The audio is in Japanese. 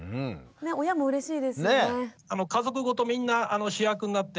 親もうれしいですよね。